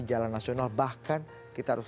jalan nasional bahkan kita harus